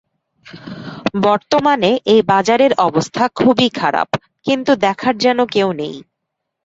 বর্তমানে এই বাজারের অবস্থা খুবই খারাপ, কিন্তু দেখার যেন কেউ নেই।